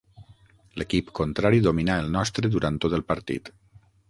L'equip contrari dominà el nostre durant tot el partit.